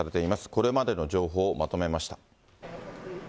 これまでの情報をまとめました。